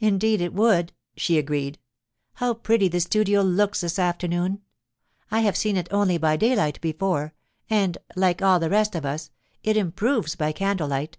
'Indeed it would!' she agreed. 'How pretty the studio looks this afternoon! I have seen it only by daylight before, and, like all the rest of us, it improves by candle light.